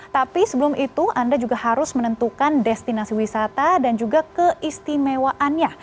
tapi sebelum itu anda juga harus menentukan destinasi wisata dan juga keistimewaannya